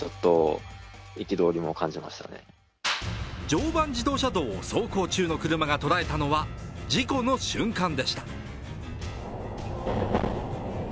常磐自動車道を走行中の車が捉えたのは事故の瞬間でした。